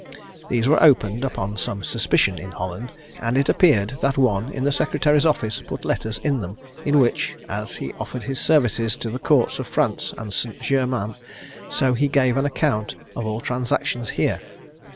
These were opened upon some suspicion in Holland, and it appeared that one in the secretary's office put letters in them, in which, as he offered his services to the courts of France and St. Germains, so he gave an account of all transactions here.